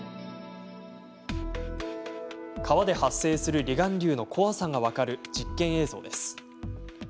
川で発生する離岸流の怖さが分かる実験映像です。